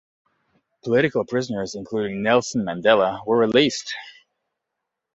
Political prisoners including Nelson Mandela were released.